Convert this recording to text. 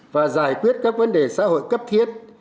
và giải quyết các vấn đề xã hội cấp thiết